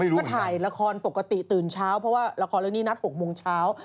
ก็ถ่ายละครปกติตื่นเช้าเพราะว่าละครเรื่องนี้นัด๖โมงเช้า